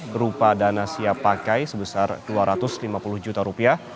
berupa dana siap pakai sebesar dua ratus lima puluh juta rupiah